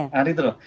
nah itu loh